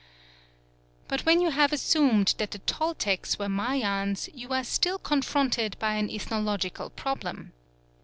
But when you have assumed that the Toltecs were Mayans, you are still confronted by an ethnological problem.